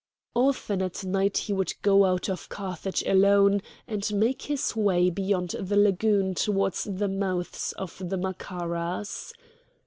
Often at night he would go out of Carthage alone and make his way beyond the lagoon towards the mouths of the Macaras.